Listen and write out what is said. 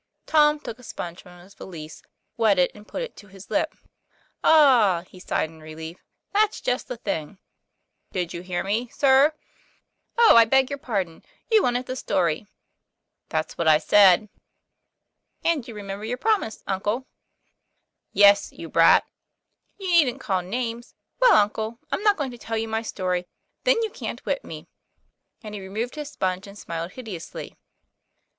Tom took a sponge from his valise, wet it and put it to his lip. "Ah!" he sighed in relief; "that's just the thing." " Did you hear me, sir ?'" Oh, I beg your pardon. You want the story ?" "That's what I said." " And you remember your promise, uncle ?" "Yes, you brat!" "You needn't call names. Well, uncle, I'm not going to tell you my story; then you can't whip me." And he removed his sponge and smiled hideously. Mr.